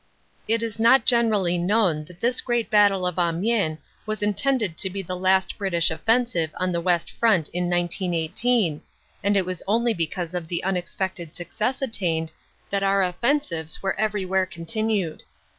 It is not generally known that this great Battle of Amiens was intended to be the last British offensive on the West Front in 1918, and it was only because of the unexpected success attained that our offensives were everywhere continued.